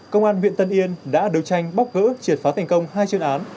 công an huyện tân yên đã đấu tranh bóc gỡ triệt phá thành công hai chuyên án